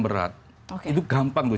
berat itu gampang tuh